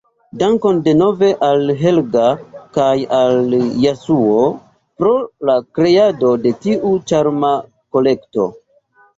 Dankon denove al Helga kaj al Jasuo pro la kreado de tiu ĉarma kolekto.